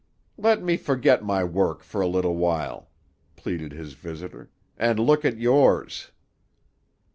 "Let me forget my work for a little while," pleaded his visitor, "and look at yours."